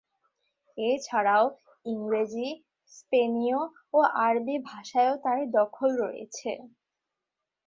এছাড়াও, ইংরেজি, স্পেনীয় ও আরবী ভাষায়ও তার দখল রয়েছে।